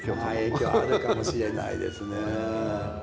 影響あるかもしれないですね。